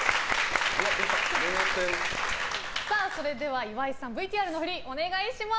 それでは岩井さんＶＴＲの振り、お願いします。